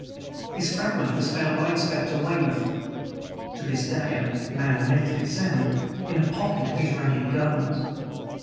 This fragment was found by Inspector Weymouth (to this day a man mentally sound) in a pocket of his ragged garments.